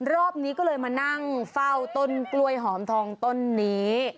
รอบนี้ก็เลยมานั่งเฝ้าต้นกล้วยหอมทองต้นนี้